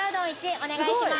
お願いします